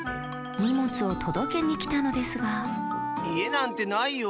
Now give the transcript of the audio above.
にもつをとどけにきたのですがいえなんてないよ。